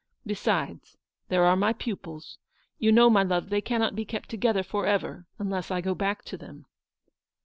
Besides, there are my pupils ; you know, my love, they cannot be kept together for ever unless I go back to them."